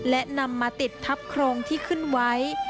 และนำมาติดทับโครงที่ขึ้นไว้